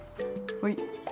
はい。